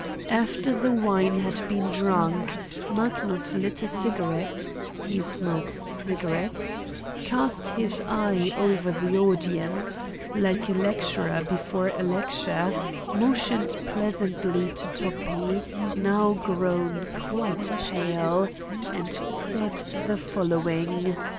After the wine had been drunk, Magnus lit a cigarette (he smokes cigarettes), cast his eye over the audience, like a lecturer before a lecture, mo tioned pleasantly to Toppi, now grown quite pale, and said the following